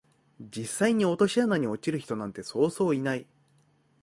実際に落とし穴に落ちる人なんてそうそういない